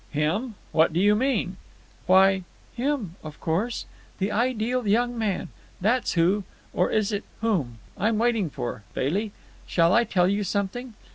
"Him? what do you mean?" "Why, him, of course. The ideal young man. That's who—or is it whom?—I'm waiting for. Bailey, shall I tell you something?